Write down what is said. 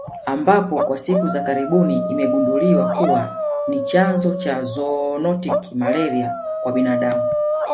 Ambapo kwa siku za karibuni imegunduliwa kuwa ni chanzo cha zoonotic malaria kwa binadamu